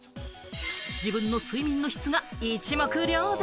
自分の睡眠の質が一目瞭然。